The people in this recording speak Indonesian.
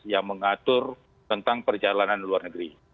yang mengatur tentang perjalanan luar negeri